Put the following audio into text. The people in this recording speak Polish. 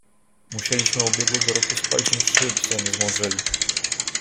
"Musieliśmy ubiegłego roku spalić im szyb, zanim zmądrzeli."